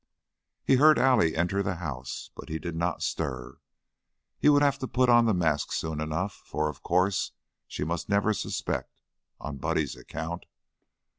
He heard Allie enter the house, but he did not stir. He would have to put on the mask soon enough, for, of course, she must never suspect, on Buddy's account.